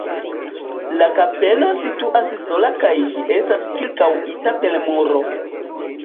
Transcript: La kapelo situas sola kaj ĝi estas ĉirkaŭita per muro.